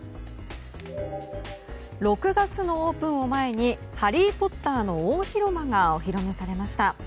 ６月のオープンを前に「ハリー・ポッター」の大広間がお披露目されました。